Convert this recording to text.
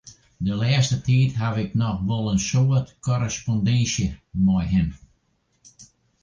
De lêste tiid haw ik noch wol in soad korrespondinsje mei him.